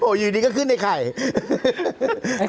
โอ้อยู่นี่ก็ขึ้นไอ้ไข่